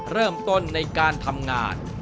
เริ่มต้นในการทำงาน